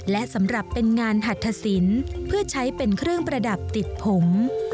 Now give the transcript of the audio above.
และสำหรับเป็นงานหัตถสินเพื่อใช้เป็นเครื่องประดับติดผม